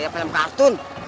pake yang kartun